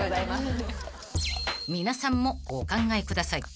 ［皆さんもお考えください］